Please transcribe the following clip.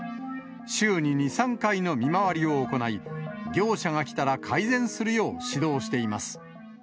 週に２、３回の見回りを行い、業者が来たら改善するよう指導しています。